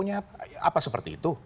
apa seperti itu